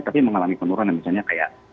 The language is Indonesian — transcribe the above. tapi mengalami penurunan misalnya kayak